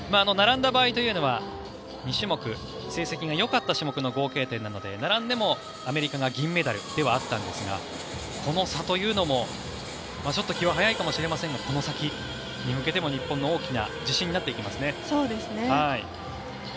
並んだ場合というのは２種目、成績がよかった種目の合計点なので並んでもアメリカが銀メダルではあったんですがこの差というのも、ちょっと気は早いかもしれませんがこの先に向けても日本の大きな自信になっていきますね。